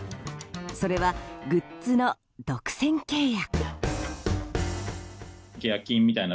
それはグッズの独占契約。